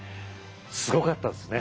すごかったですね